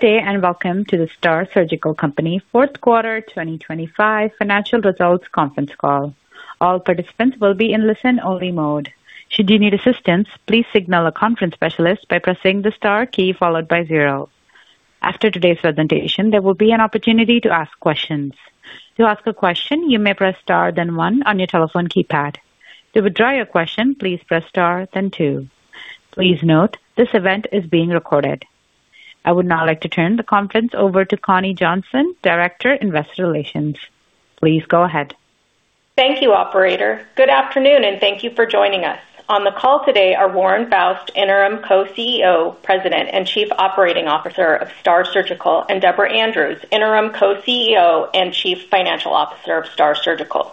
Good day, and welcome to the STAAR Surgical Company fourth quarter 2025 financial results conference call. All participants will be in listen-only mode. Should you need assistance, please signal a conference specialist by pressing the star key followed by zero. After today's presentation, there will be an opportunity to ask questions. To ask a question, you may press star then one on your telephone keypad. To withdraw your question, please press star then two. Please note this event is being recorded. I would now like to turn the conference over to Connie Johnson, Director, Investor Relations. Please go ahead. Thank you, operator. Good afternoon, and thank you for joining us. On the call today are Warren Foust, Interim Co-CEO, President, and Chief Operating Officer of STAAR Surgical, and Deborah Andrews, Interim Co-CEO and Chief Financial Officer of STAAR Surgical.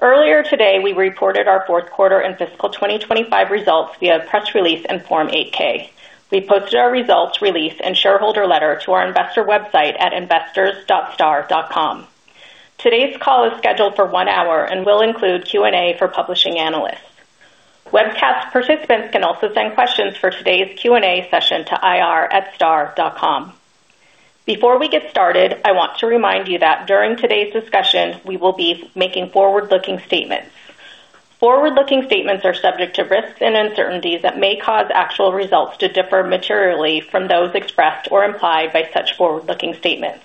Earlier today, we reported our fourth quarter and fiscal 2025 results via press release and Form 8-K. We posted our results release and shareholder letter to our investor website at investors.staar.com. Today's call is scheduled for one hour and will include Q&A for publishing analysts. Webcast participants can also send questions for today's Q&A session to ir@staar.com. Before we get started, I want to remind you that during today's discussion we will be making forward-looking statements. Forward-looking statements are subject to risks and uncertainties that may cause actual results to differ materially from those expressed or implied by such forward-looking statements.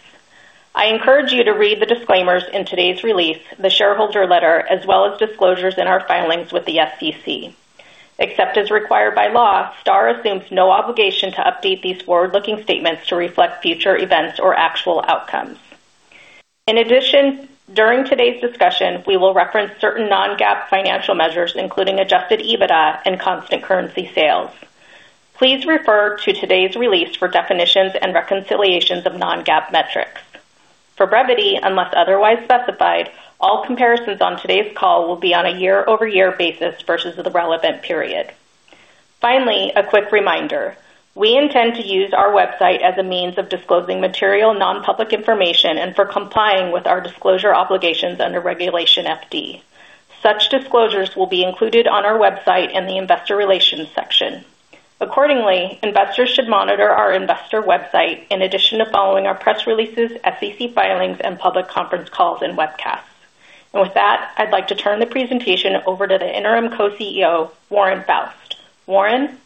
I encourage you to read the disclaimers in today's release, the shareholder letter as well as disclosures in our filings with the S.E.C. Except as required by law, STAAR assumes no obligation to update these forward-looking statements to reflect future events or actual outcomes. During today's discussion, we will reference certain Non-GAAP financial measures, including adjusted EBITDA and constant currency sales. Please refer to today's release for definitions and reconciliations of Non-GAAP metrics. For brevity, unless otherwise specified, all comparisons on today's call will be on a year-over-year basis versus the relevant period. A quick reminder. We intend to use our website as a means of disclosing material non-public information and for complying with our disclosure obligations under Regulation FD. Such disclosures will be included on our website in the Investor Relations section. Accordingly, investors should monitor our investor website in addition to following our press releases, SEC filings, and public conference calls and webcasts. With that, I'd like to turn the presentation over to the Interim Co-CEO, Warren Foust. Warren.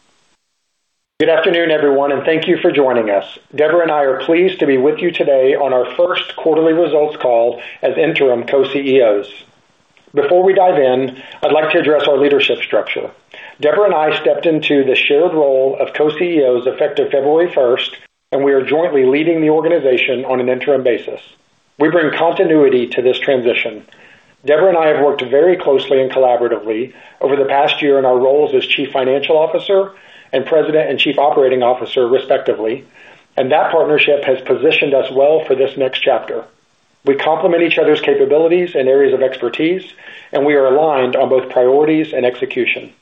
Good afternoon, everyone, and thank you for joining us. Debra and I are pleased to be with you today on our first quarterly results call as Interim Co-CEOs. Before we dive in, I'd like to address our leadership structure. Debra and I stepped into the shared role of Co-CEOs effective February first, and we are jointly leading the organization on an interim basis. We bring continuity to this transition. Debra and I have worked very closely and collaboratively over the past year in our roles as Chief Financial Officer and President and Chief Operating Officer, respectively, and that partnership has positioned us well for this next chapter. We complement each other's capabilities and areas of expertise, and we are aligned on both priorities and execution.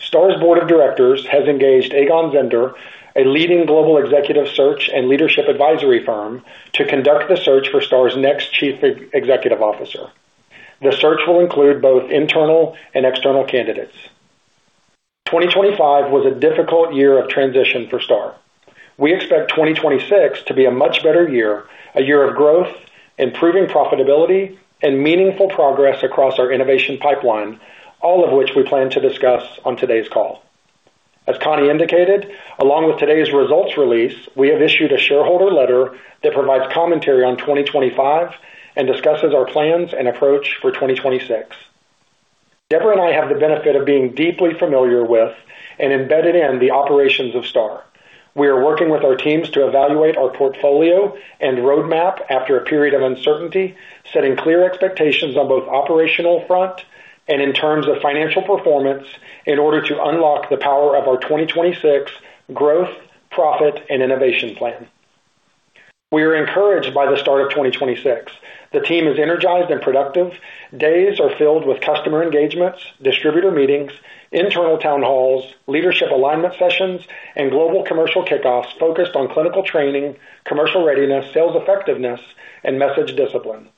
STAAR's board of directors has engaged Egon Zehnder, a leading global executive search and leadership advisory firm, to conduct the search for STAAR's next chief executive officer. The search will include both internal and external candidates. 2025 was a difficult year of transition for STAAR. We expect 2026 to be a much better year, a year of growth, improving profitability and meaningful progress across our innovation pipeline, all of which we plan to discuss on today's call. As Connie indicated, along with today's results release, we have issued a shareholder letter that provides commentary on 2025 and discusses our plans and approach for 2026. Deborah and I have the benefit of being deeply familiar with and embedded in the operations of STAAR. We are working with our teams to evaluate our portfolio and roadmap after a period of uncertainty, setting clear expectations on both operational front and in terms of financial performance in order to unlock the power of our 2026 growth, profit and innovation plan. We are encouraged by the start of 2026. The team is energized and productive. Days are filled with customer engagements, distributor meetings, internal town halls, leadership alignment sessions and global commercial kickoffs focused on clinical training, commercial readiness, sales effectiveness and message discipline.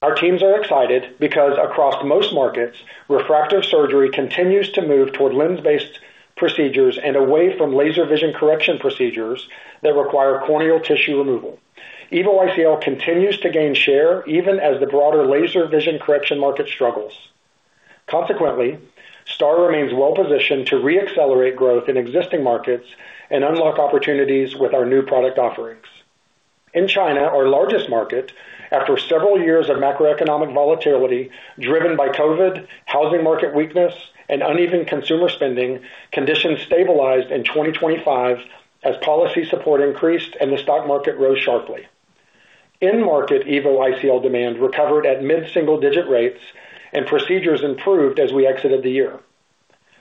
Our teams are excited because across most markets, refractive surgery continues to move toward lens-based procedures and away from laser vision correction procedures that require corneal tissue removal. EVO ICL continues to gain share even as the broader laser vision correction market struggles. Consequently, STAAR remains well positioned to re-accelerate growth in existing markets and unlock opportunities with our new product offerings. In China, our largest market, after several years of macroeconomic volatility driven by COVID, housing market weakness and uneven consumer spending, conditions stabilized in 2025 as policy support increased and the stock market rose sharply. In-market EVO ICL demand recovered at mid-single digit rates and procedures improved as we exited the year.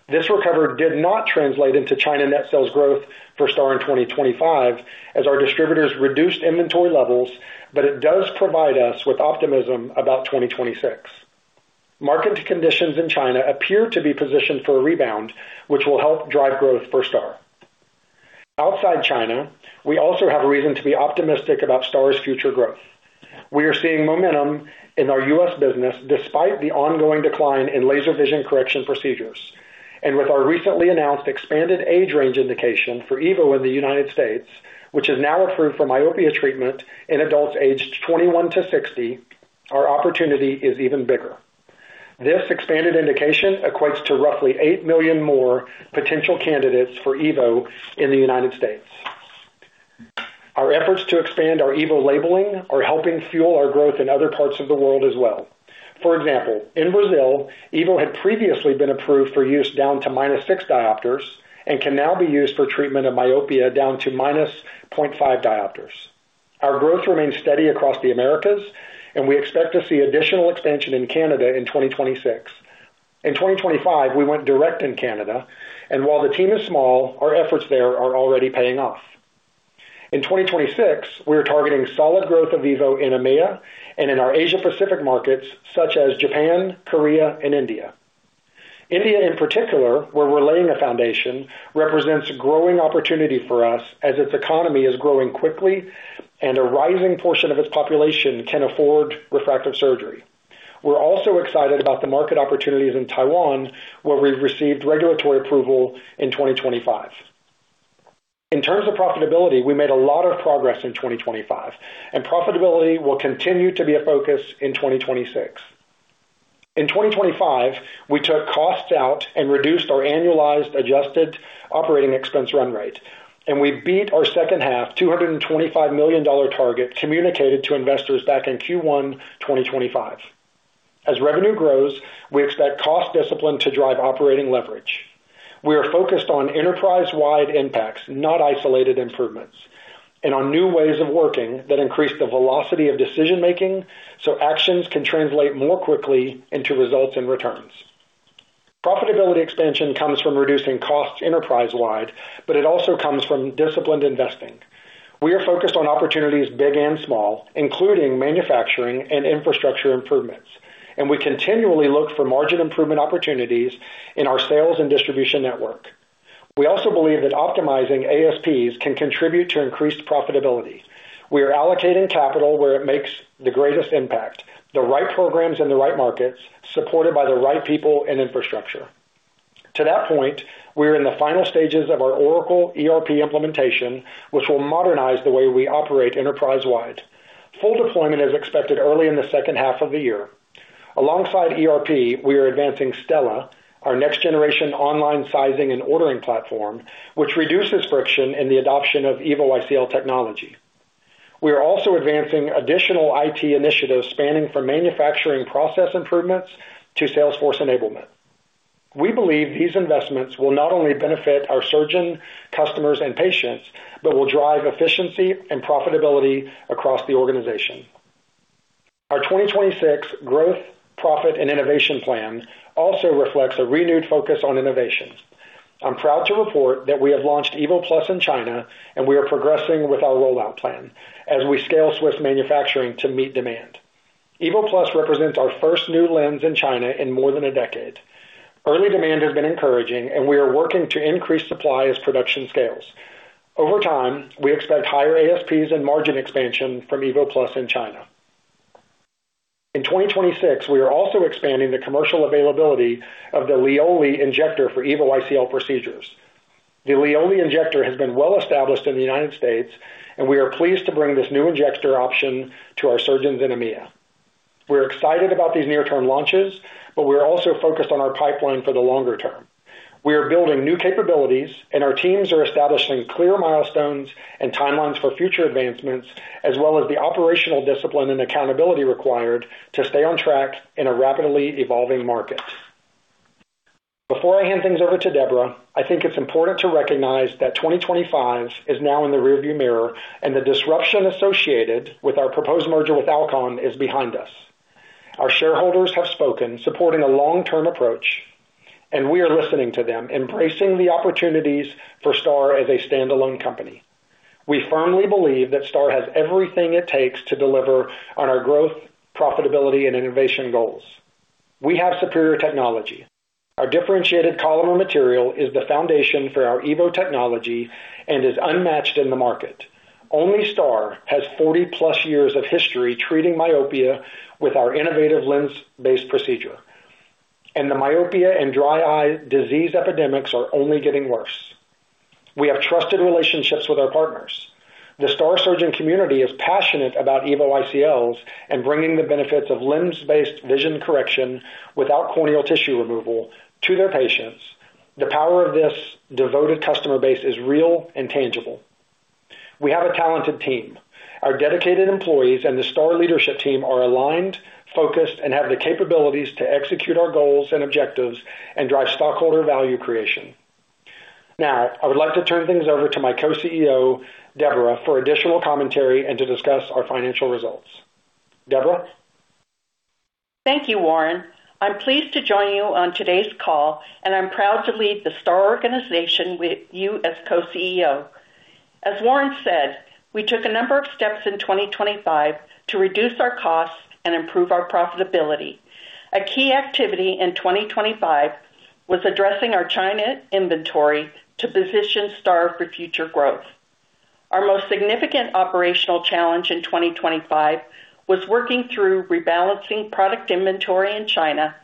This recovery did not translate into China net sales growth for STAAR in 2025 as our distributors reduced inventory levels, but it does provide us with optimism about 2026. Market conditions in China appear to be positioned for a rebound, which will help drive growth for STAAR. Outside China, we also have reason to be optimistic about STAAR's future growth. We are seeing momentum in our U.S. business despite the ongoing decline in laser vision correction procedures. With our recently announced expanded age range indication for EVO in the United States, which is now approved for myopia treatment in adults aged 21-60, our opportunity is even bigger. This expanded indication equates to roughly 8 million more potential candidates for EVO in the United States. Our efforts to expand our EVO labeling are helping fuel our growth in other parts of the world as well. For example, in Brazil, EVO had previously been approved for use down to -6 diopters and can now be used for treatment of myopia down to -0.5 diopters. Our growth remains steady across the Americas, and we expect to see additional expansion in Canada in 2026. In 2025, we went direct in Canada, and while the team is small, our efforts there are already paying off. In 2026, we are targeting solid growth of EVO in EMEA and in our Asia Pacific markets, such as Japan, Korea and India. India in particular, where we're laying a foundation, represents growing opportunity for us as its economy is growing quickly and a rising portion of its population can afford refractive surgery. We're also excited about the market opportunities in Taiwan, where we've received regulatory approval in 2025. In terms of profitability, we made a lot of progress in 2025. Profitability will continue to be a focus in 2026. In 2025, we took costs out and reduced our annualized adjusted operating expense run rate. We beat our second half $225 million target communicated to investors back in Q1 2025. As revenue grows, we expect cost discipline to drive operating leverage. We are focused on enterprise-wide impacts, not isolated improvements, and on new ways of working that increase the velocity of decision-making so actions can translate more quickly into results and returns. Profitability expansion comes from reducing costs enterprise-wide, but it also comes from disciplined investing. We are focused on opportunities big and small, including manufacturing and infrastructure improvements, and we continually look for margin improvement opportunities in our sales and distribution network. We also believe that optimizing ASPs can contribute to increased profitability. We are allocating capital where it makes the greatest impact, the right programs in the right markets, supported by the right people and infrastructure. To that point, we are in the final stages of our Oracle ERP implementation, which will modernize the way we operate enterprise-wide. Full deployment is expected early in the second half of the year. Alongside ERP, we are advancing Stella, our next-generation online sizing and ordering platform, which reduces friction in the adoption of EVO ICL technology. We are also advancing additional IT initiatives spanning from manufacturing process improvements to salesforce enablement. We believe these investments will not only benefit our surgeon, customers and patients, but will drive efficiency and profitability across the organization. Our 2026 growth, profit and innovation plan also reflects a renewed focus on innovation. I'm proud to report that we have launched EVO+ in China, and we are progressing with our rollout plan as we scale Swiss manufacturing to meet demand. EVO+ represents our first new lens in China in more than a decade. Early demand has been encouraging, and we are working to increase supply as production scales. Over time, we expect higher ASPs and margin expansion from EVO+ in China. In 2026, we are also expanding the commercial availability of the LIOLI injector for EVO ICL procedures. The LIOLI injector has been well established in the United States, and we are pleased to bring this new injector option to our surgeons in EMEA. We're excited about these near-term launches, but we are also focused on our pipeline for the longer term. We are building new capabilities, and our teams are establishing clear milestones and timelines for future advancements, as well as the operational discipline and accountability required to stay on track in a rapidly evolving market. Before I hand things over to Deborah, I think it's important to recognize that 2025 is now in the rearview mirror, and the disruption associated with our proposed merger with Alcon is behind us. Our shareholders have spoken, supporting a long-term approach, and we are listening to them, embracing the opportunities for STAAR as a standalone company. We firmly believe that STAAR has everything it takes to deliver on our growth, profitability and innovation goals. We have superior technology. Our differentiated Collamer material is the foundation for our EVO technology and is unmatched in the market. Only STAAR has 40+ years of history treating myopia with our innovative lens-based procedure, and the myopia and dry eye disease epidemics are only getting worse. We have trusted relationships with our partners. The STAAR surgeon community is passionate about EVO ICLs and bringing the benefits of lens-based vision correction without corneal tissue removal to their patients. The power of this devoted customer base is real and tangible. We have a talented team. Our dedicated employees and the STAAR leadership team are aligned, focused, and have the capabilities to execute our goals and objectives and drive stockholder value creation. Now I would like to turn things over to my Co-CEO, Deborah, for additional commentary and to discuss our financial results. Deborah? Thank you, Warren. I'm pleased to join you on today's call. I'm proud to lead the STAAR organization with you as Co-CEO. As Warren said, we took a number of steps in 2025 to reduce our costs and improve our profitability. A key activity in 2025 was addressing our China inventory to position STAAR for future growth. Our most significant operational challenge in 2025 was working through rebalancing product inventory in China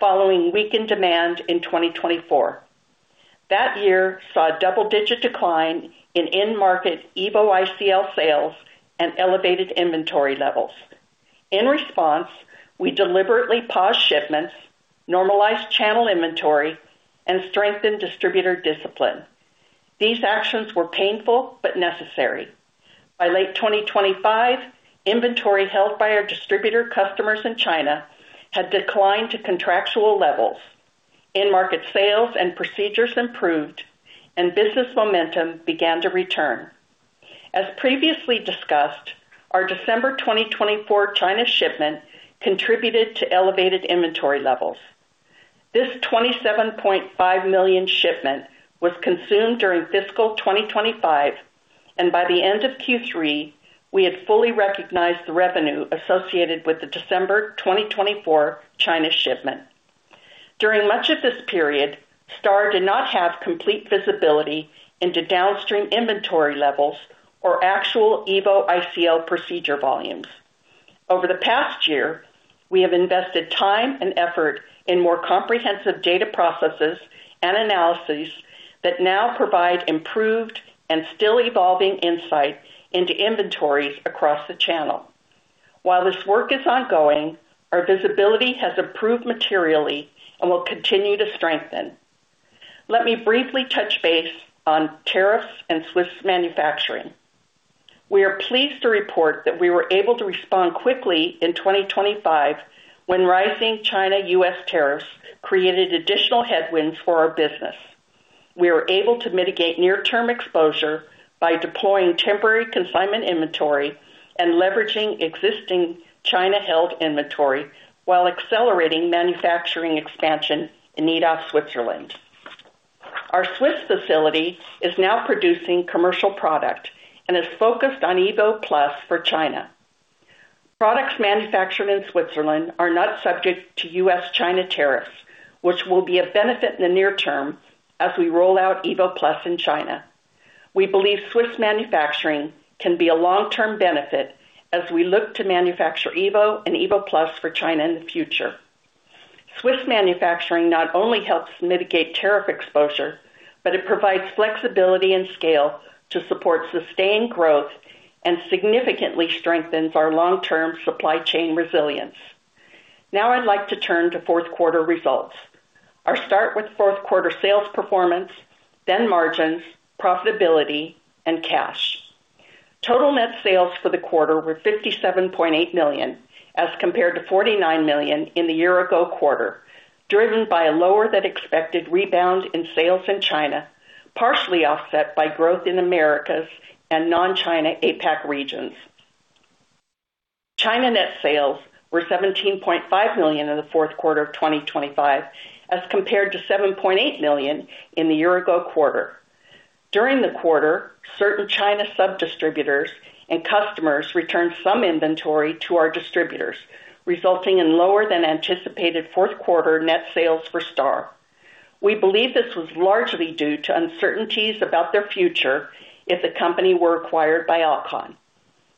following weakened demand in 2024. That year saw a double-digit decline in end-market EVO ICL sales and elevated inventory levels. In response, we deliberately paused shipments, normalized channel inventory and strengthened distributor discipline. These actions were painful but necessary. By late 2025, inventory held by our distributor customers in China had declined to contractual levels. End market sales and procedures improved. Business momentum began to return. As previously discussed, our December 2024 China shipment contributed to elevated inventory levels. This $27.5 million shipment was consumed during fiscal 2025, and by the end of Q3, we had fully recognized the revenue associated with the December 2024 China shipment. During much of this period, STAAR did not have complete visibility into downstream inventory levels or actual EVO ICL procedure volumes. Over the past year, we have invested time and effort in more comprehensive data processes and analyses that now provide improved and still evolving insight into inventories across the channel. While this work is ongoing, our visibility has improved materially and will continue to strengthen. Let me briefly touch base on tariffs and Swiss manufacturing. We are pleased to report that we were able to respond quickly in 2025 when rising China/U.S. tariffs created additional headwinds for our business. We were able to mitigate near-term exposure by deploying temporary consignment inventory and leveraging existing China-held inventory while accelerating manufacturing expansion in Nidau, Switzerland. Our Swiss facility is now producing commercial product and is focused on EVO+ for China. Products manufactured in Switzerland are not subject to U.S./China tariffs, which will be a benefit in the near term as we roll out EVO+ in China. We believe Swiss manufacturing can be a long-term benefit as we look to manufacture EVO and EVO+ for China in the future. Swiss manufacturing not only helps mitigate tariff exposure, but it provides flexibility and scale to support sustained growth and significantly strengthens our long-term supply chain resilience. I'd like to turn to fourth quarter results. I start with fourth quarter sales performance, then margins, profitability and cash. Total net sales for the quarter were $57.8 million, as compared to $49 million in the year-ago quarter, driven by a lower than expected rebound in sales in China, partially offset by growth in Americas and non-China APAC regions. China net sales were $17.5 million in the fourth quarter of 2025, as compared to $7.8 million in the year-ago quarter. During the quarter, certain China sub-distributors and customers returned some inventory to our distributors, resulting in lower than anticipated fourth quarter net sales for STAAR. We believe this was largely due to uncertainties about their future if the company were acquired by Alcon.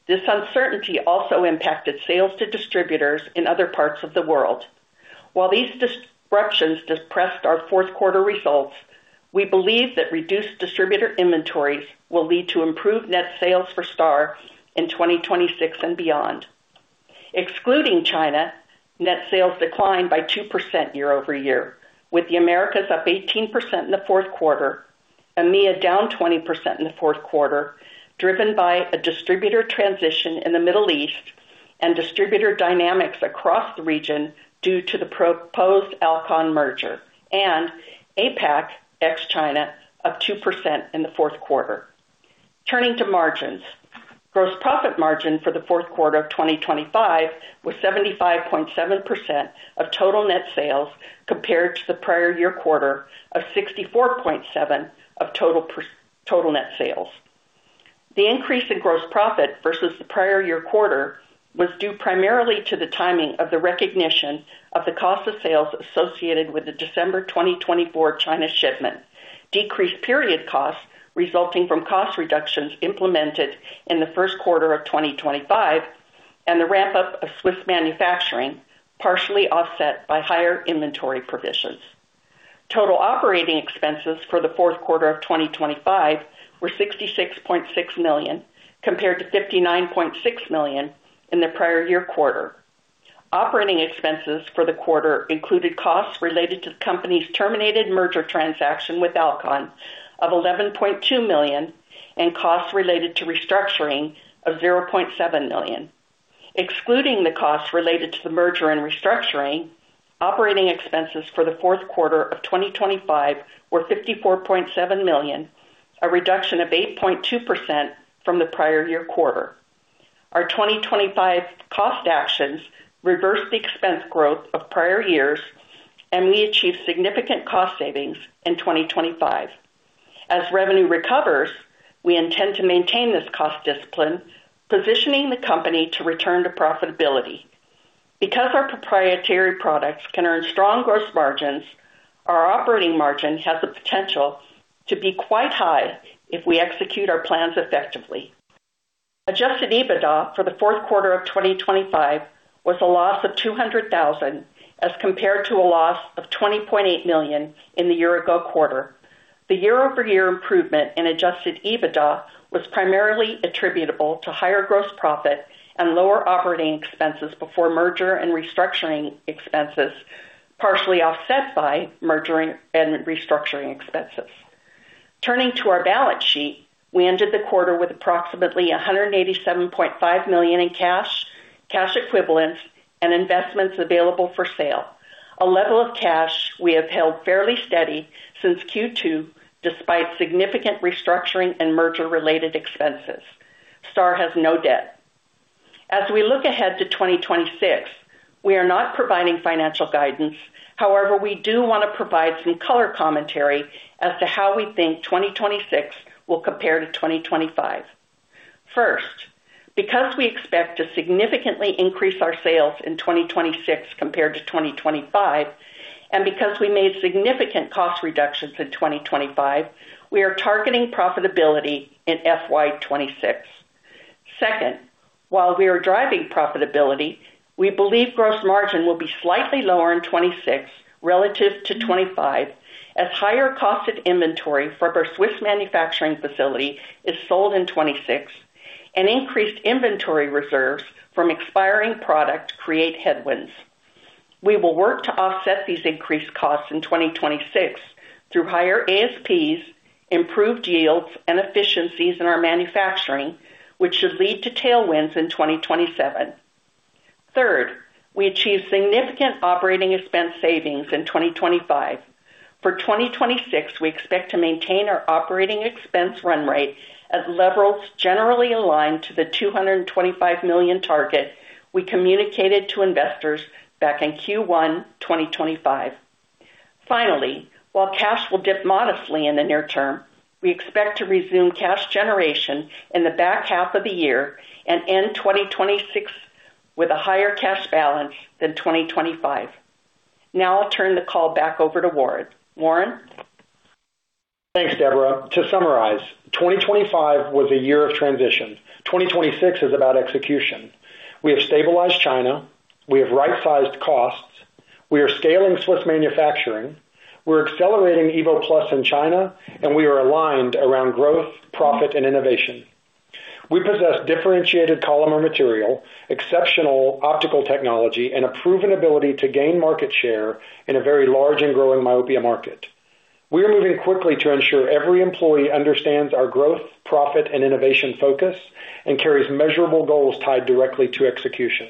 This uncertainty also impacted sales to distributors in other parts of the world. While these disruptions depressed our fourth quarter results, we believe that reduced distributor inventories will lead to improved net sales for STAAR in 2026 and beyond. Excluding China, net sales declined by 2% year-over-year, with the Americas up 18% in the fourth quarter, EMEA down 20% in the fourth quarter, driven by a distributor transition in the Middle East and distributor dynamics across the region due to the proposed Alcon merger, and APAC ex China up 2% in the fourth quarter. Turning to margins. Gross profit margin for the fourth quarter of 2025 was 75.7% of total net sales, compared to the prior year quarter of 64.7% of total net sales. The increase in gross profit versus the prior year quarter was due primarily to the timing of the recognition of the cost of sales associated with the December 2024 China shipment, decreased period costs resulting from cost reductions implemented in the first quarter of 2025, and the ramp-up of Swiss manufacturing, partially offset by higher inventory provisions. Total operating expenses for the fourth quarter of 2025 were $66.6 million, compared to $59.6 million in the prior year quarter. Operating expenses for the quarter included costs related to the company's terminated merger transaction with Alcon of $11.2 million and costs related to restructuring of $0.7 million. Excluding the costs related to the merger and restructuring, operating expenses for the fourth quarter of 2025 were $54.7 million, a reduction of 8.2% from the prior year quarter. Our 2025 cost actions reversed the expense growth of prior years. We achieved significant cost savings in 2025. As revenue recovers, we intend to maintain this cost discipline, positioning the company to return to profitability. Because our proprietary products can earn strong gross margins, our operating margin has the potential to be quite high if we execute our plans effectively. Adjusted EBITDA for the fourth quarter of 2025 was a loss of $200,000, as compared to a loss of $20.8 million in the year-ago quarter. The year-over-year improvement in adjusted EBITDA was primarily attributable to higher gross profit and lower operating expenses before merger and restructuring expenses, partially offset by merger and restructuring expenses. Turning to our balance sheet, we ended the quarter with approximately $187.5 million in cash equivalents and investments available for sale. A level of cash we have held fairly steady since Q2 despite significant restructuring and merger-related expenses. STAAR has no debt. As we look ahead to 2026, we are not providing financial guidance. We do want to provide some color commentary as to how we think 2026 will compare to 2025. Because we expect to significantly increase our sales in 2026 compared to 2025, and because we made significant cost reductions in 2025, we are targeting profitability in FY 2026. Second, while we are driving profitability, we believe gross margin will be slightly lower in 2026 relative to 2025 as higher cost of inventory from our Swiss manufacturing facility is sold in 2026 and increased inventory reserves from expiring product create headwinds. We will work to offset these increased costs in 2026 through higher ASPs, improved yields and efficiencies in our manufacturing, which should lead to tailwinds in 2027. Third, we achieved significant operating expense savings in 2025. 2026, we expect to maintain our operating expense run rate at levels generally aligned to the $225 million target we communicated to investors back in Q1 2025. While cash will dip modestly in the near term, we expect to resume cash generation in the back half of the year and end 2026 with a higher cash balance than 2025. Now I'll turn the call back over to Warren. Warren? Thanks, Deborah. To summarize, 2025 was a year of transition. 2026 is about execution. We have stabilized China. We have right-sized costs. We are scaling Swiss manufacturing. We're accelerating EVO+ in China. We are aligned around growth, profit, and innovation. We possess differentiated polymer material, exceptional optical technology, and a proven ability to gain market share in a very large and growing myopia market. We are moving quickly to ensure every employee understands our growth, profit, and innovation focus and carries measurable goals tied directly to execution.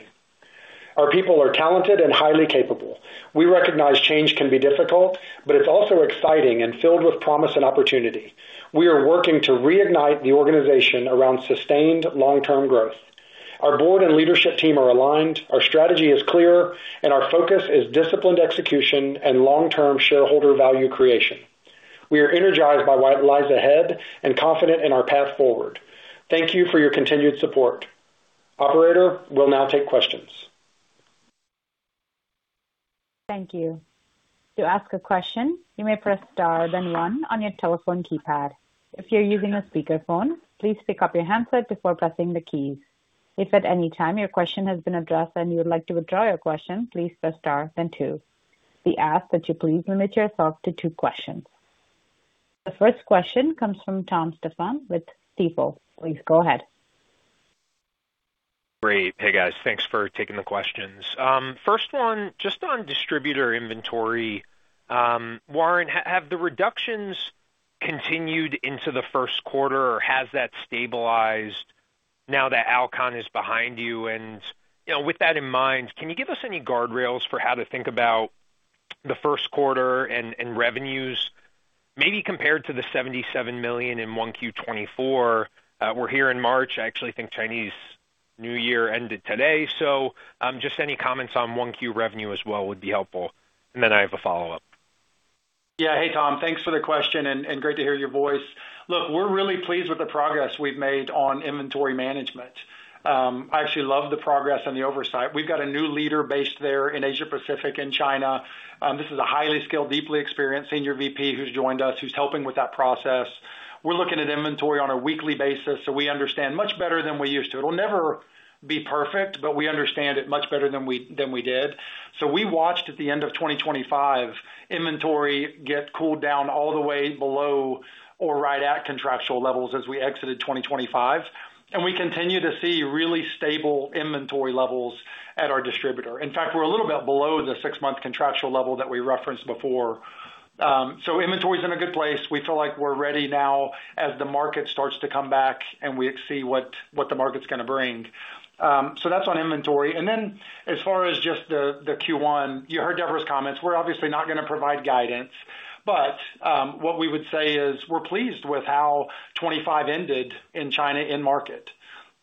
Our people are talented and highly capable. We recognize change can be difficult. It's also exciting and filled with promise and opportunity. We are working to reignite the organization around sustained long-term growth. Our board and leadership team are aligned, our strategy is clear. Our focus is disciplined execution and long-term shareholder value creation. We are energized by what lies ahead and confident in our path forward. Thank you for your continued support. Operator, we'll now take questions. Thank you. To ask a question, you may press Star, then One on your telephone keypad. If you're using a speakerphone, please pick up your handset before pressing the keys. If at any time your question has been addressed and you would like to withdraw your question, please press Star then Two. We ask that you please limit yourself to two questions. The first question comes from Thomas Stephan with Stifel. Please go ahead. Great. Hey, guys. Thanks for taking the questions. First one, just on distributor inventory. Warren, have the reductions continued into the first quarter or has that stabilized now that Alcon is behind you? You know, with that in mind, can you give us any guardrails for how to think about the first quarter and revenues? Maybe compared to the $77 million in Q1 2024. We're here in March. I actually think Chinese New Year ended today. Just any comments on Q1 revenue as well would be helpful. Then I have a follow-up. Hey, Tom. Thanks for the question and great to hear your voice. Look, we're really pleased with the progress we've made on inventory management. I actually love the progress and the oversight. We've got a new leader based there in Asia Pacific and China. This is a highly skilled, deeply experienced senior VP who's joined us, who's helping with that process. We're looking at inventory on a weekly basis, so we understand much better than we used to. It'll never be perfect, but we understand it much better than we did. We watched at the end of 2025 inventory get cooled down all the way below or right at contractual levels as we exited 2025, and we continue to see really stable inventory levels at our distributor. In fact, we're a little bit below the six month contractual level that we referenced before. Inventory is in a good place. We feel like we're ready now as the market starts to come back and we see what the market's gonna bring. That's on inventory. As far as just the Q1, you heard Deborah's comments. We're obviously not gonna provide guidance, what we would say is we're pleased with how 2025 ended in China in market.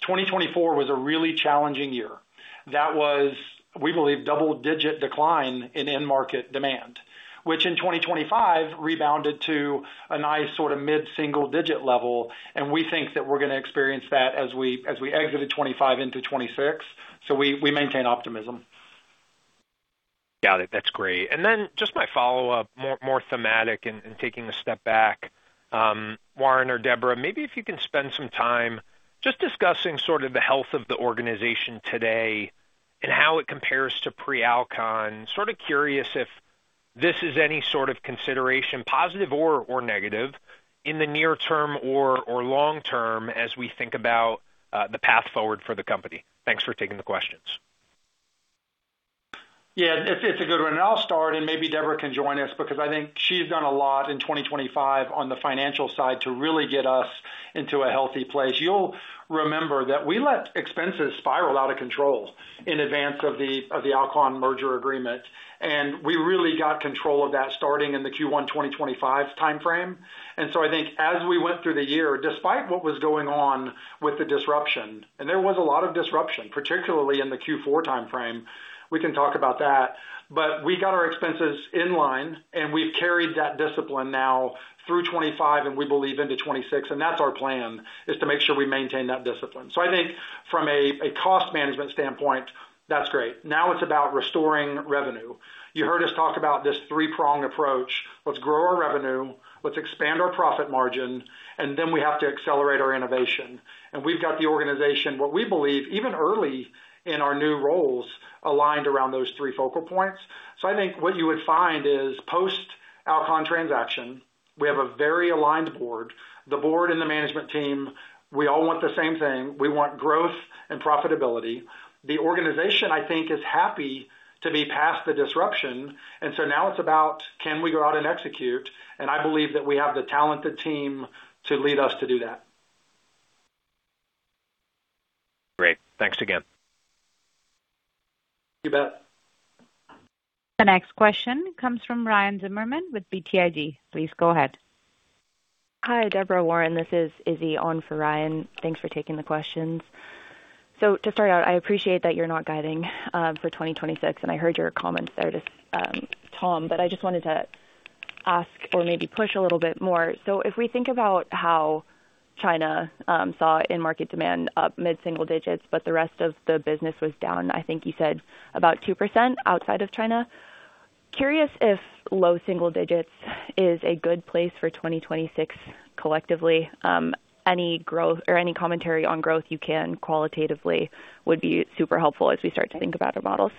2024 was a really challenging year. That was, we believe, double-digit decline in end market demand, which in 2025 rebounded to a nice sort of mid-single digit level. We think that we're gonna experience that as we exit 2025 into 2026. We maintain optimism. Got it. That's great. Just my follow-up, more thematic and taking a step back, Warren or Debra, maybe if you can spend some time just discussing sort of the health of the organization today and how it compares to pre-Alcon. Sorta curious if this is any sort of consideration, positive or negative, in the near term or long term as we think about the path forward for the company. Thanks for taking the questions. Yeah, it's a good one. I'll start, and maybe Debra can join us because I think she's done a lot in 2025 on the financial side to really get us into a healthy place. You'll remember that we let expenses spiral out of control in advance of the Alcon merger agreement, and we really got control of that starting in the Q1 2025 timeframe. I think as we went through the year, despite what was going on with the disruption, and there was a lot of disruption, particularly in the Q4 timeframe, we can talk about that, but we got our expenses in line, and we've carried that discipline now through 2025 and we believe into 2026, and that's our plan, is to make sure we maintain that discipline. I think from a cost management standpoint, that's great. Now it's about restoring revenue. You heard us talk about this three-prong approach. Let's grow our revenue, let's expand our profit margin, and then we have to accelerate our innovation. We've got the organization, what we believe, even early in our new roles, aligned around those three focal points. I think what you would find is post Alcon transaction, we have a very aligned board. The board and the management team, we all want the same thing. We want growth and profitability. The organization I think is happy to be past the disruption, and so now it's about can we go out and execute? I believe that we have the talented team to lead us to do that. Great. Thanks again. You bet. The next question comes from Ryan Zimmerman with BTIG. Please go ahead. Hi, Deborah, Warren, this is Izzy on for Ryan. Thanks for taking the questions. To start out, I appreciate that you're not guiding for 2026, and I heard your comments there to Tom, but I just wanted to ask or maybe push a little bit more. If we think about how China saw in market demand up mid-single digits, but the rest of the business was down, I think you said about 2% outside of China. Curious if low single digits is a good place for 2026 collectively. Any growth or any commentary on growth you can qualitatively would be super helpful as we start to think about our models.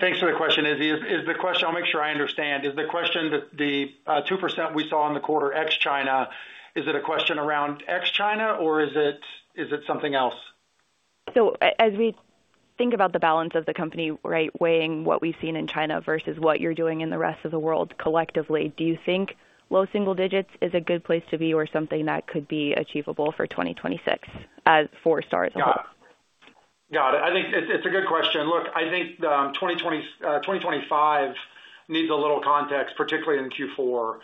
Thanks for the question, Izzy. I'll make sure I understand. Is the question that the 2% we saw in the quarter ex China, is it a question around ex China or is it something else? As we think about the balance of the company, right, weighing what we've seen in China versus what you're doing in the rest of the world collectively, do you think low single digits is a good place to be or something that could be achievable for 2026 as for STAAR as a whole? Got it. I think it's a good question. Look, I think 2025 needs a little context, particularly in Q4.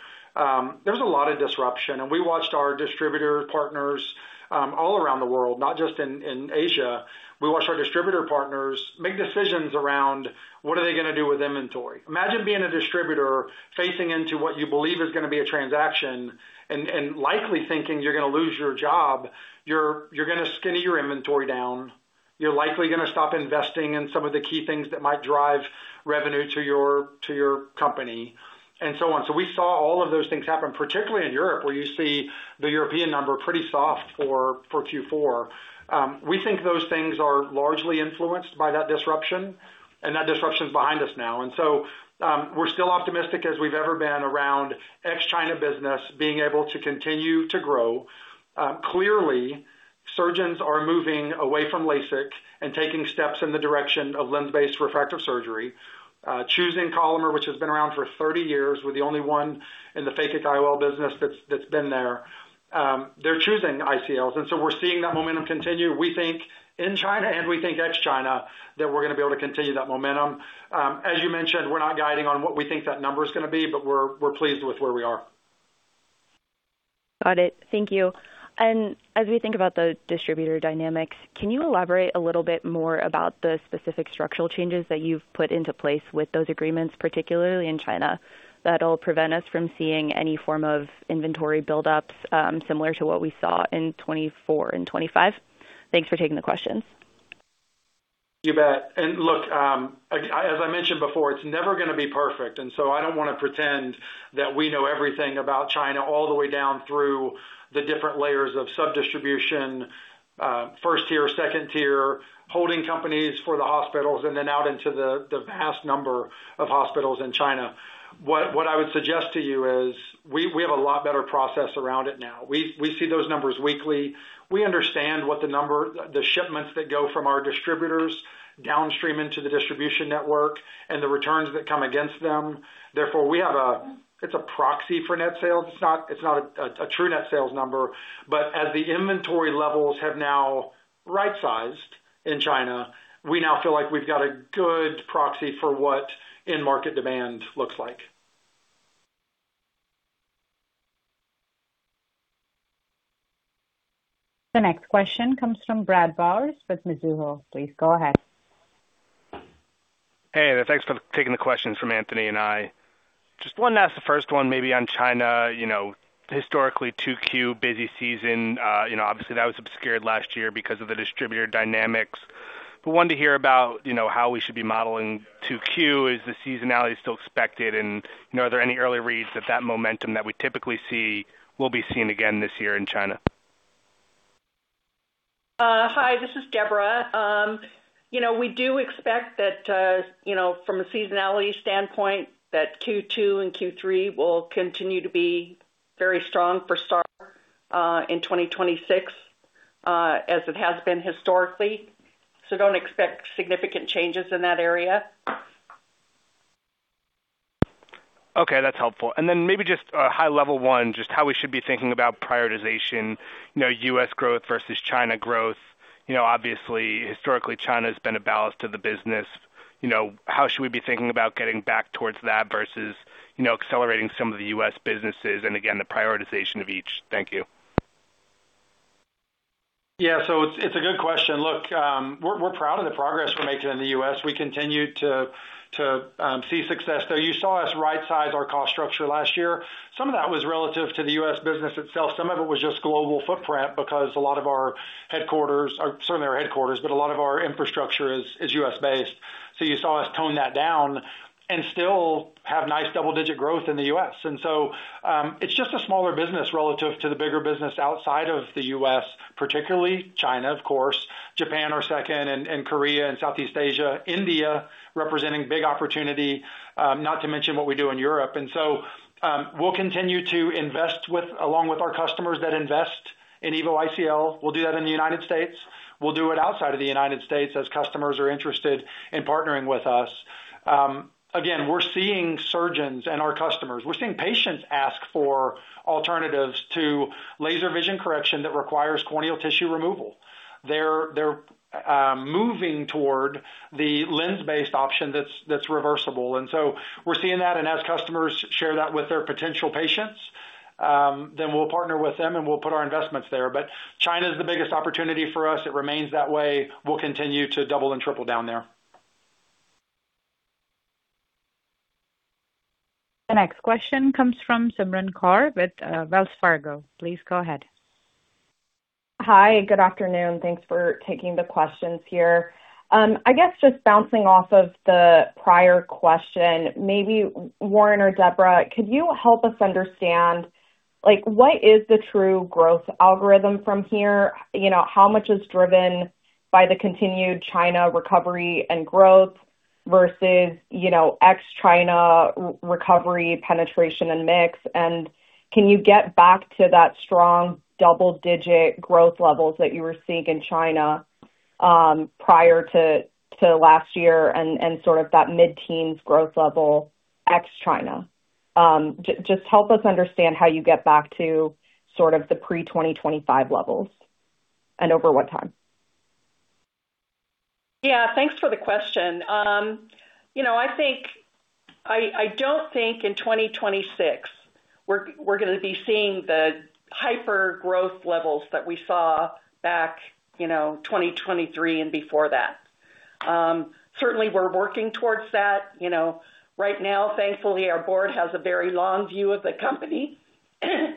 There was a lot of disruption and we watched our distributor partners all around the world, not just in Asia. We watched our distributor partners make decisions around what are they gonna do with inventory. Imagine being a distributor facing into what you believe is gonna be a transaction and likely thinking you're gonna lose your job. You're gonna skinny your inventory down. You're likely gonna stop investing in some of the key things that might drive revenue to your company and so on. We saw all of those things happen, particularly in Europe, where you see the European number pretty soft for Q4. We think those things are largely influenced by that disruption, and that disruption is behind us now. We're still optimistic as we've ever been around ex China business being able to continue to grow. Clearly, surgeons are moving away from LASIK and taking steps in the direction of lens-based refractive surgery, choosing Collamer, which has been around for 30 years. We're the only one in the Phakic IOL business that's been there. They're choosing ICLs, and so we're seeing that momentum continue. We think in China and we think ex China, that we're gonna be able to continue that momentum. As you mentioned, we're not guiding on what we think that number's gonna be, but we're pleased with where we are. Got it. Thank you. As we think about the distributor dynamics, can you elaborate a little bit more about the specific structural changes that you've put into place with those agreements, particularly in China, that'll prevent us from seeing any form of inventory buildups, similar to what we saw in 2024 and 2025? Thanks for taking the questions. You bet. Look, as I mentioned before, it's never gonna be perfect. I don't wanna pretend that we know everything about China all the way down through the different layers of sub-distribution, first tier, second tier, holding companies for the hospitals, then out into the vast number of hospitals in China. What I would suggest to you is we have a lot better process around it now. We see those numbers weekly. We understand what the shipments that go from our distributors downstream into the distribution network and the returns that come against them. Therefore, we have. It's a proxy for net sales. It's not a true net sales number. As the inventory levels have now right-sized in China, we now feel like we've got a good proxy for what in-market demand looks like. The next question comes from Bradley Bowers with Mizuho. Please go ahead. Hey there. Thanks for taking the questions from Anthony and I. Just want to ask the first one maybe on China, you know, historically Q2 busy season. You know, obviously that was obscured last year because of the distributor dynamics. Wanted to hear about, you know, how we should be modeling Q2. Is the seasonality still expected? You know, are there any early reads that momentum that we typically see will be seen again this year in China? Hi, this is Deborah. you know, we do expect that, you know, from a seasonality standpoint, that Q2 and Q3 will continue to be very strong for Star, in 2026, as it has been historically. Don't expect significant changes in that area. Okay, that's helpful. Maybe just a high level one, just how we should be thinking about prioritization, you know, U.S. growth versus China growth. Obviously, historically, China has been a ballast to the business. How should we be thinking about getting back towards that versus, you know, accelerating some of the U.S. businesses and again, the prioritization of each? Thank you. It's a good question. Look, we're proud of the progress we're making in the U.S. We continue to see success, though you saw us right size our cost structure last year. Some of that was relative to the U.S. business itself. Some of it was just global footprint because a lot of our headquarters are certainly our headquarters, but a lot of our infrastructure is U.S.-based. You saw us tone that down and still have nice double-digit growth in the U.S. It's just a smaller business relative to the bigger business outside of the U.S., particularly China, of course, Japan are second, and Korea and Southeast Asia, India representing big opportunity, not to mention what we do in Europe. We'll continue to invest along with our customers that invest in EVO ICL. We'll do that in the United States. We'll do it outside of the United States as customers are interested in partnering with us. Again, we're seeing surgeons and our customers. We're seeing patients ask for alternatives to laser vision correction that requires corneal tissue removal. They're moving toward the lens-based option that's reversible. We're seeing that, and as customers share that with their potential patients, then we'll partner with them, and we'll put our investments there. China is the biggest opportunity for us. It remains that way. We'll continue to double and triple down there. The next question comes from Gursimran Kaur with Wells Fargo. Please go ahead. Hi, good afternoon. Thanks for taking the questions here. I guess just bouncing off of the prior question, maybe Warren or Deborah, could you help us understand, like, what is the true growth algorithm from here? You know, how much is driven by the continued China recovery and growth versus, you know, ex-China recovery, penetration and mix? Can you get back to that strong double-digit growth levels that you were seeing in China, prior to last year and sort of that mid-teens growth level ex-China? Just help us understand how you get back to sort of the pre-2025 levels and over what time. Yeah, thanks for the question. you know, I don't think in 2026 we're gonna be seeing the hyper-growth levels that we saw back, you know, 2023 and before that. Certainly, we're working towards that, you know. Right now, thankfully, our board has a very long view of the company.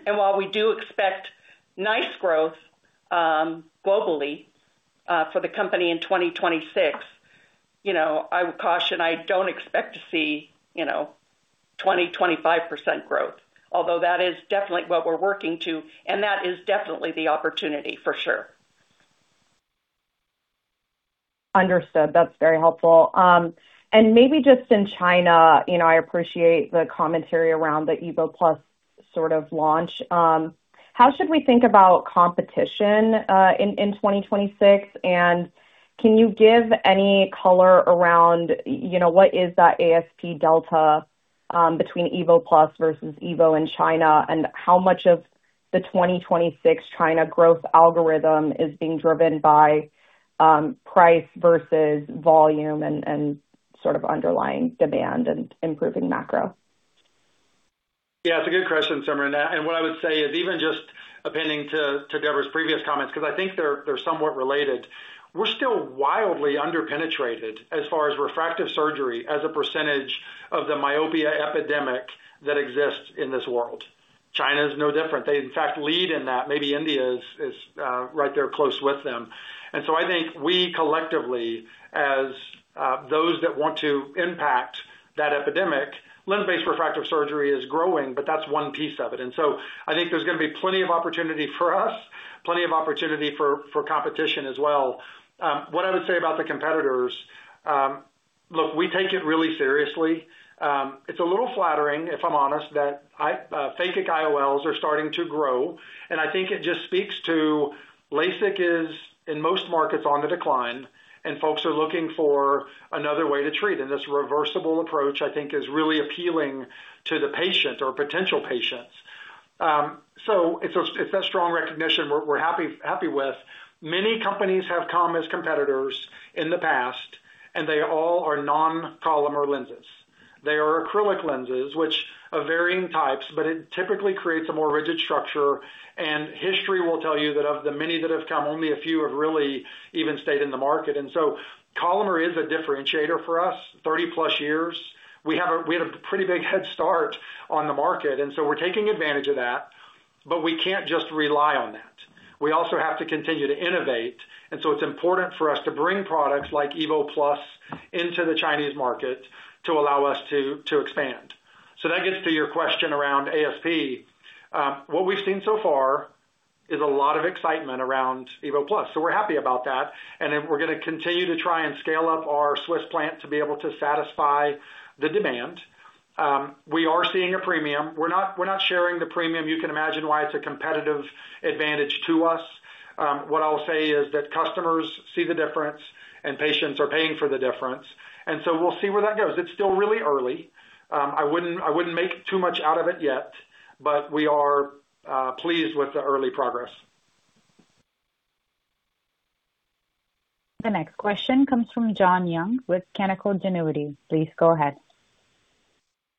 While we do expect nice growth, globally, for the company in 2026, you know, I would caution I don't expect to see, you know, 20%, 25% growth. Although that is definitely what we're working to, and that is definitely the opportunity for sure. Understood. That's very helpful. Maybe just in China, you know, I appreciate the commentary around the EVO+ sort of launch. How should we think about competition in 2026? Can you give any color around, you know, what is that ASP delta between EVO+ versus EVO in China? How much of the 2026 China growth algorithm is being driven by price versus volume and sort of underlying demand and improving macro? Yeah, it's a good question, Simran. What I would say is even just appending to Debra's previous comments, because I think they're somewhat related. We're still wildly under-penetrated as far as refractive surgery as a percentage of the myopia epidemic that exists in this world. China is no different. They, in fact, lead in that. Maybe India is right there close with them. I think we collectively as those that want to impact that epidemic, lens-based refractive surgery is growing, but that's one piece of it. I think there's gonna be plenty of opportunity for us, plenty of opportunity for competition as well. What I would say about the competitors, look, we take it really seriously. It's a little flattering, if I'm honest, that Phakic IOLs are starting to grow, and I think it just speaks to LASIK is, in most markets, on the decline, and folks are looking for another way to treat. This reversible approach, I think, is really appealing to the patient or potential patients. It's that strong recognition we're happy with. Many companies have come as competitors in the past, and they all are non-polymer lenses. They are acrylic lenses which are varying types, but it typically creates a more rigid structure. History will tell you that of the many that have come, only a few have really even stayed in the market. Polymer is a differentiator for us. 30+ years, we had a pretty big head start on the market. We're taking advantage of that, but we can't just rely on that. We also have to continue to innovate. It's important for us to bring products like EVO+ into the Chinese market to allow us to expand. That gets to your question around ASP. What we've seen so far is a lot of excitement around EVO+, so we're happy about that. We're gonna continue to try and scale up our Swiss plant to be able to satisfy the demand. We are seeing a premium. We're not sharing the premium. You can imagine why it's a competitive advantage to us. What I'll say is that customers see the difference and patients are paying for the difference, and so we'll see where that goes. It's still really early. I wouldn't make too much out of it yet, but we are pleased with the early progress. The next question comes from Jon Young with Canaccord Genuity. Please go ahead.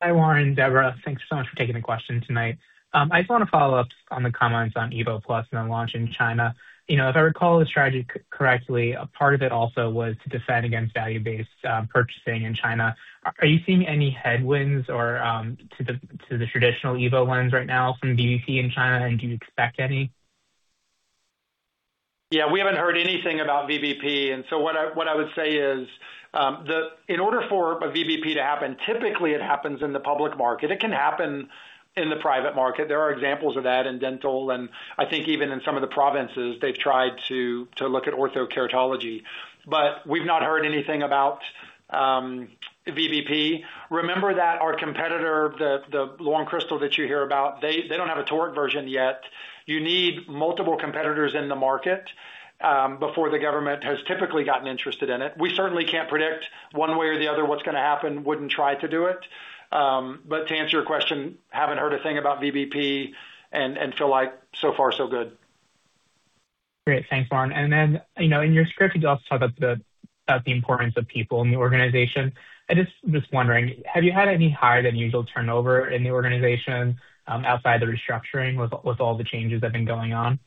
Hi, Warren, Debra. Thanks so much for taking the question tonight. I just wanna follow up on the comments on EVO+ and the launch in China. You know, if I recall the strategy correctly, a part of it also was to defend against value-based purchasing in China. Are you seeing any headwinds or to the traditional EVO lens right now from VBP in China, and do you expect any? Yeah, we haven't heard anything about VBP, what I would say is, in order for a VBP to happen, typically it happens in the public market. It can happen in the private market. There are examples of that in dental, and I think even in some of the provinces, they've tried to look at orthokeratology. We've not heard anything about VBP. Remember that our competitor, the Lensran Crystal that you hear about, they don't have a toric version yet. You need multiple competitors in the market before the government has typically gotten interested in it. We certainly can't predict one way or the other what's gonna happen. Wouldn't try to do it. To answer your question, haven't heard a thing about VBP and feel like so far so good. Great. Thanks, Warren. You know, in your script, you also talk about the importance of people in the organization. I just was wondering, have you had any higher than usual turnover in the organization, outside the restructuring with all the changes that have been going on?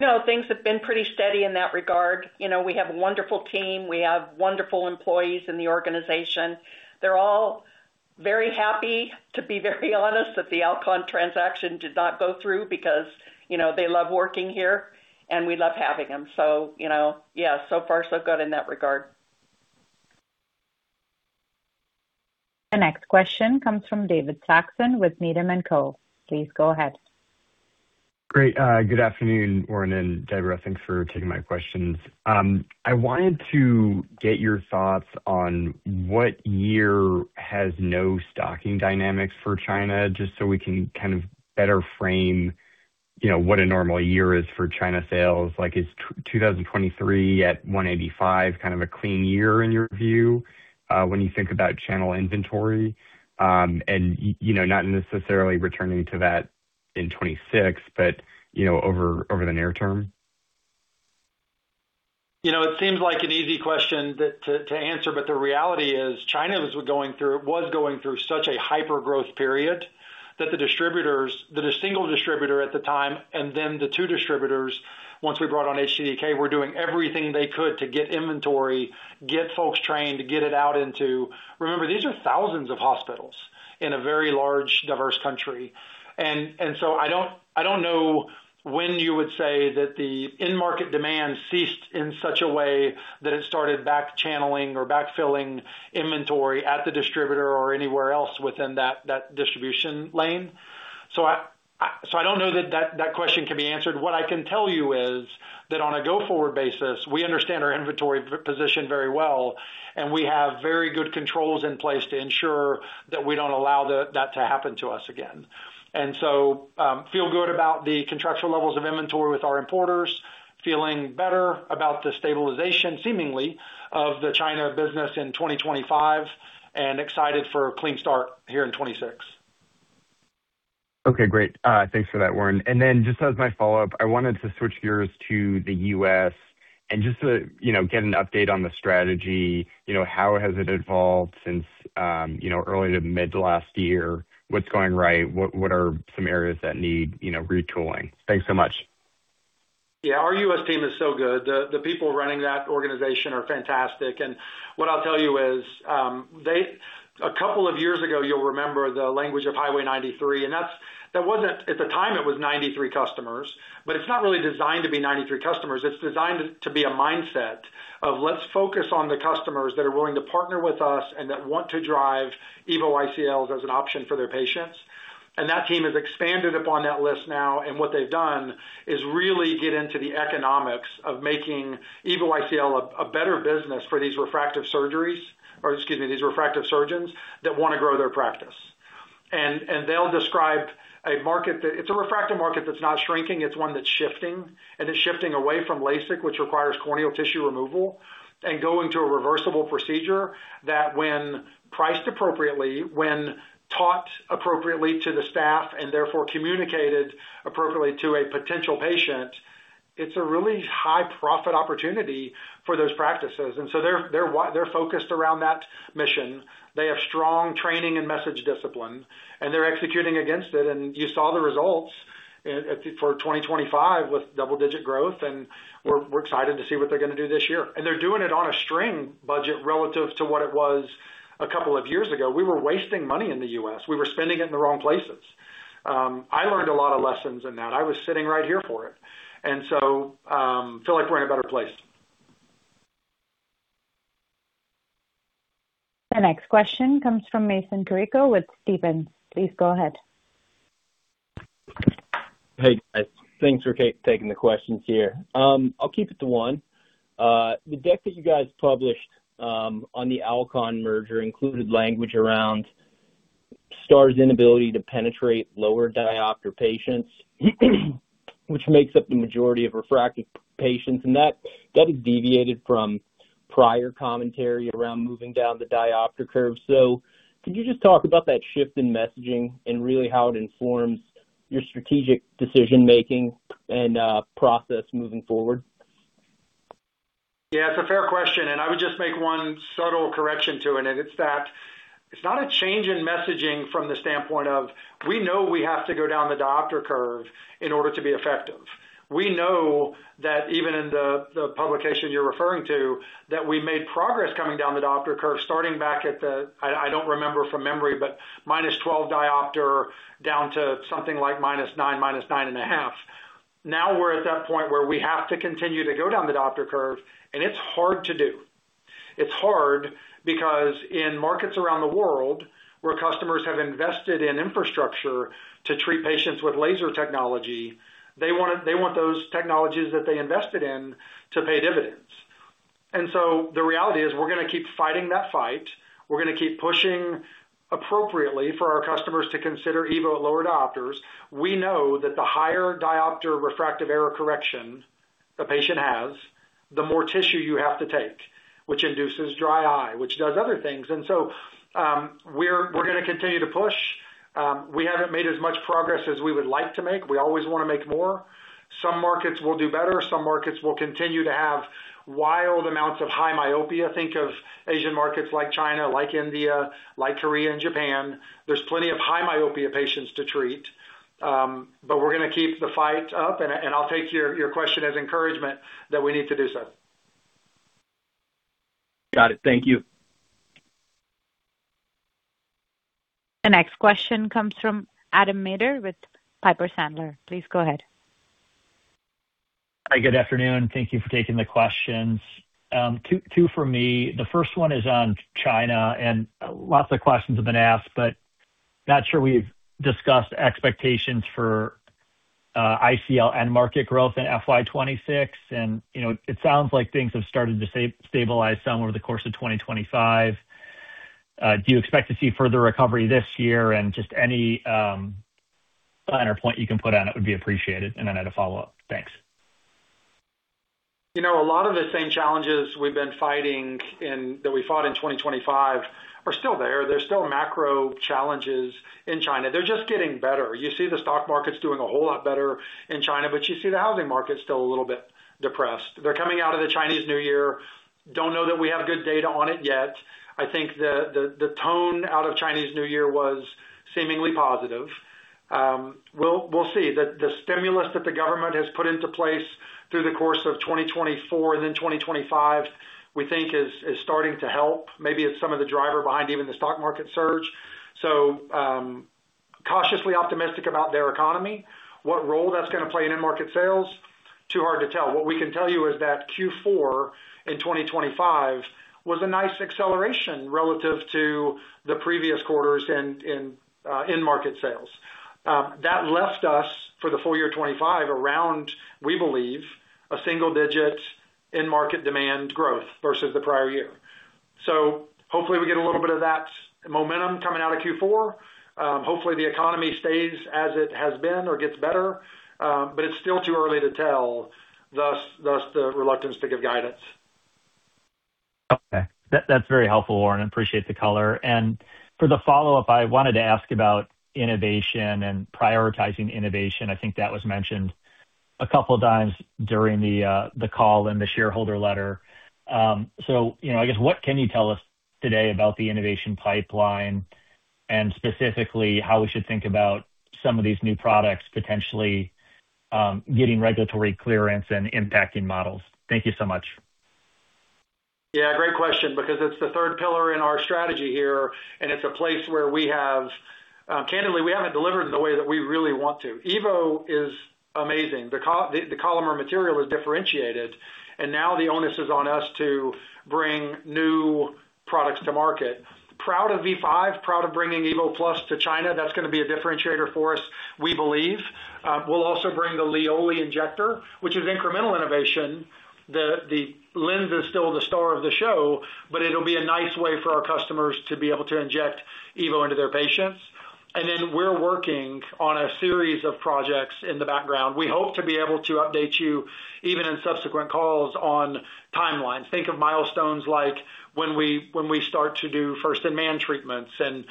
No, things have been pretty steady in that regard. You know, we have a wonderful team. We have wonderful employees in the organization. They're all very happy, to be very honest, that the Alcon transaction did not go through because, you know, they love working here, and we love having them. You know, yeah, so far so good in that regard. The next question comes from David Saxon with Needham & Company. Please go ahead. Great. Good afternoon, Warren Foust and Deborah Andrews. Thanks for taking my questions. I wanted to get your thoughts on what year has no stocking dynamics for China, just so we can kind of better frame, you know, what a normal year is for China sales. Like is 2023 at $185 million kind of a clean year in your view, when you think about channel inventory? You know, not necessarily returning to that in 2026, but, you know, over the near term. You know, it seems like an easy question to answer, but the reality is China was going through such a hyper-growth period that a single distributor at the time and then the two distributors, once we brought on CR-Med, were doing everything they could to get inventory, get folks trained to get it out into. Remember, these are thousands of hospitals in a very large, diverse country. I don't know when you would say that the in-market demand ceased in such a way that it started back channeling or backfilling inventory at the distributor or anywhere else within that distribution lane. I don't know that question can be answered. What I can tell you is that on a go-forward basis, we understand our inventory position very well, and we have very good controls in place to ensure that we don't allow that to happen to us again. Feel good about the contractual levels of inventory with our importers, feeling better about the stabilization, seemingly, of the China business in 2025, and excited for a clean start here in 2026. Okay, great. thanks for that, Warren. Just as my follow-up, I wanted to switch gears to the U.S. and just to, you know, get an update on the strategy. You know, how has it evolved since, you know, early to mid last year? What's going right? What are some areas that need, you know, retooling? Thanks so much. Yeah, our U.S. team is so good. The people running that organization are fantastic. What I'll tell you is, A couple of years ago, you'll remember the language of Highway 93, and that wasn't at the time, it was 93 customers, but it's not really designed to be 93 customers. It's designed to be a mindset of let's focus on the customers that are willing to partner with us and that want to drive EVO ICL as an option for their patients. That team has expanded upon that list now, and what they've done is really get into the economics of making EVO ICL a better business for these refractive surgeries or, excuse me, these refractive surgeons that wanna grow their practice. They'll describe a market that. It's a refractive market that's not shrinking, it's one that's shifting, and it's shifting away from LASIK, which requires corneal tissue removal, and going to a reversible procedure that when priced appropriately, when taught appropriately to the staff, and therefore communicated appropriately to a potential patient. It's a really high profit opportunity for those practices, so they're focused around that mission. They have strong training and message discipline, and they're executing against it. You saw the results for 2025 with double-digit growth, and we're excited to see what they're gonna do this year. They're doing it on a string budget relative to what it was a couple of years ago. We were wasting money in the U.S. We were spending it in the wrong places. I learned a lot of lessons in that. I was sitting right here for it. Feel like we're in a better place. The next question comes from Thomas Stephan with Stifel. Please go ahead. Guys. Thanks for taking the questions here. I'll keep it to one. The deck that you guys published on the Alcon merger included language around STAAR's inability to penetrate lower diopter patients, which makes up the majority of refractive patients, that is deviated from prior commentary around moving down the diopter curve. Could you just talk about that shift in messaging and really how it informs your strategic decision-making and process moving forward? Yeah, it's a fair question, and I would just make one subtle correction to it. It's that it's not a change in messaging from the standpoint of we know we have to go down the diopter curve in order to be effective. We know that even in the publication you're referring to, that we made progress coming down the diopter curve, starting back at the I don't remember from memory, but -12 diopter down to something like -9, -9.5. Now we're at that point where we have to continue to go down the diopter curve, and it's hard to do. It's hard because in markets around the world where customers have invested in infrastructure to treat patients with laser technology, they want those technologies that they invested in to pay dividends. The reality is, we're gonna keep fighting that fight. We're gonna keep pushing appropriately for our customers to consider EVO at lower diopters. We know that the higher diopter refractive error correction the patient has, the more tissue you have to take, which induces dry eye, which does other things. We're gonna continue to push. We haven't made as much progress as we would like to make. We always wanna make more. Some markets will do better. Some markets will continue to have wild amounts of high myopia. Think of Asian markets like China, like India, like Korea and Japan. There's plenty of high myopia patients to treat. We're gonna keep the fight up, and I'll take your question as encouragement that we need to do so. Got it. Thank you. The next question comes from Adam Maeder with Piper Sandler. Please go ahead. Hi, good afternoon. Thank you for taking the questions. Two for me. The first one is on China. Lots of questions have been asked, but not sure we've discussed expectations for ICL and market growth in FY 2026. You know, it sounds like things have started to stabilize some over the course of 2025. Do you expect to see further recovery this year? Just any data point you can put on it would be appreciated. Then I had a follow-up. Thanks. You know, a lot of the same challenges we've been fighting that we fought in 2025 are still there. There's still macro challenges in China. They're just getting better. You see the stock market's doing a whole lot better in China, but you see the housing market still a little bit depressed. They're coming out of the Chinese New Year. Don't know that we have good data on it yet. I think the, the tone out of Chinese New Year was seemingly positive. We'll see. The stimulus that the government has put into place through the course of 2024 and then 2025 we think is starting to help. Maybe it's some of the driver behind even the stock market surge. Cautiously optimistic about their economy. What role that's gonna play in end market sales, too hard to tell. What we can tell you is that Q4 in 2025 was a nice acceleration relative to the previous quarters in market sales. That left us, for the full year 25, around, we believe, a single digit in market demand growth versus the prior year. Hopefully we get a little bit of that momentum coming out of Q4. Hopefully, the economy stays as it has been or gets better, but it's still too early to tell, thus the reluctance to give guidance. Okay. That's very helpful, Warren. Appreciate the color. For the follow-up, I wanted to ask about innovation and prioritizing innovation. I think that was mentioned a couple times during the call and the shareholder letter. You know, I guess what can you tell us today about the innovation pipeline and specifically how we should think about some of these new products potentially getting regulatory clearance and impacting models? Thank you so much. Great question because it's the third pillar in our strategy here, and it's a place where we have candidly, we haven't delivered in the way that we really want to. EVO is amazing. The Collamer material is differentiated, and now the onus is on us to bring new products to market. Proud of V5, proud of bringing EVO+ to China. That's gonna be a differentiator for us, we believe. We'll also bring the LIOLI injector, which is incremental innovation. The lens is still the star of the show, but it'll be a nice way for our customers to be able to inject EVO into their patients. Then we're working on a series of projects in the background. We hope to be able to update you even in subsequent calls on timelines. Think of milestones like when we start to do first-in-man treatments and,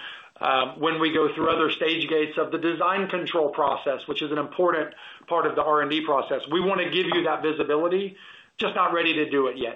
when we go through other stage gates of the design control process, which is an important part of the R&D process. We wanna give you that visibility, just not ready to do it yet.